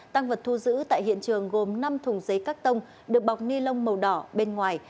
tăng vật thu giữ tại hiện trường gồm năm thùng giấy cắt tông được bọc ni lông màu đỏ bên ngoài